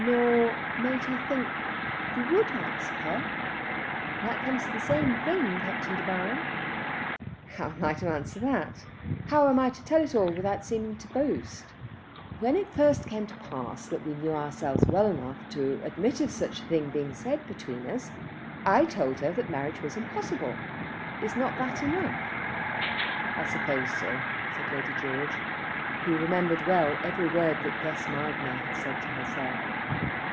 "Nor made her think that you would ask her? That comes to the same thing, Captain De Baron." "How am I to answer that? How am I to tell it all without seeming to boast. When it first came to pass that we knew ourselves well enough to admit of such a thing being said between us, I told her that marriage was impossible. Is not that enough?" "I suppose so," said Lady George, who remembered well every word that Gus Mildmay had said to herself.